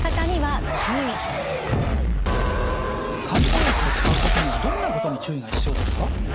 漢方薬を使う時にはどんなことに注意が必要ですか？